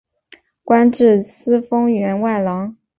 官至司封员外郎。